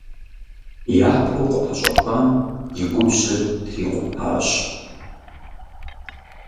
Япэу къыпэщӀэхуам и губжьыр трикъутащ.